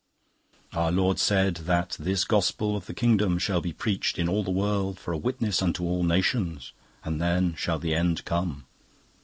Our Lord said that 'this Gospel of the Kingdom shall be preached in all the world for a witness unto all nations; and then shall the end come.